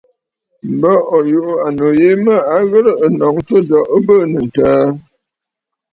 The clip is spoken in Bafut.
M̀bə ò yuʼù ànnù yìi mə à ghɨ̀rə ǹnǒŋ ɨtû jo ɨ bɨɨnə̀ ǹtəə.